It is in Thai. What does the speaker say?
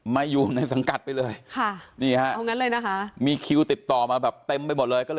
ไม่อยู่ในสังกัดไปเลย